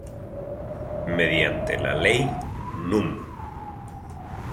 Mediante la Ley Núm.